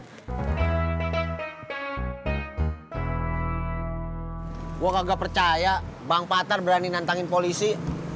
gue kagak percaya bang patar berani nantangin polisi